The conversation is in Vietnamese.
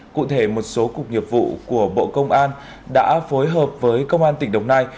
cụ thể một số cục nghiệp vụ của bộ công an đã phối hợp với công an tỉnh đồng nai